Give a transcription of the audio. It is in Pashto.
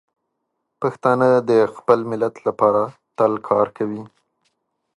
پښتانه د خپل ملت لپاره تل کار کوي.